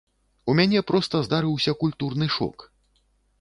У мяне проста здарыўся культурны шок.